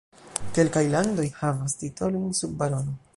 Kelkaj landoj havas titolojn sub barono.